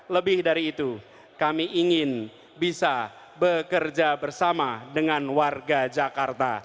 lebih dari itu kami ingin bisa bekerja bersama dengan warga jakarta